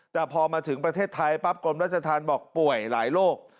แต่พอมาถึงประเทศไทยปั๊บกรมราชธรรมบอกป่วยหลายโรค